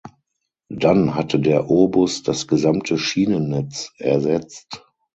Dann hatte der Obus das gesamte Schienennetz ersetzt.